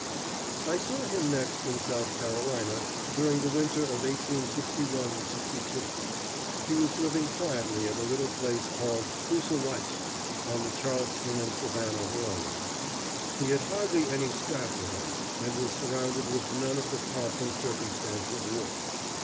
I saw him next in South Carolina during the winter of 1861 62. He was living quietly at a little place called Coosawhatchie, on the Charleston and Savannah Railroad. He had hardly any staff with him, and was surrounded with none of the pomp and circumstance of war.